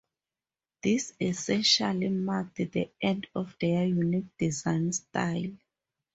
This essentially marked the end of their unique design style.